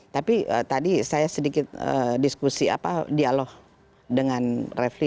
tapi tadi saya sedikit diskusi apa dialog dengan refli